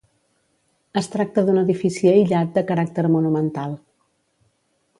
Es tracta d'un edifici aïllat de caràcter monumental.